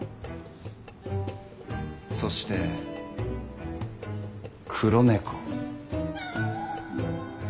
そして黒猫。